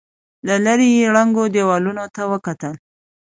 له ليرې يې ړنګو دېوالونو ته وکتل.